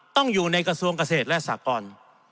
ต้องอยู่ในกระทรวงเกษตรและสากร